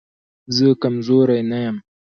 زه کمزوری نه يم